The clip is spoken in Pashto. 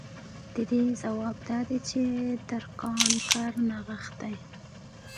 د دې ځواب دا دی چې د ترکاڼ کار نغښتی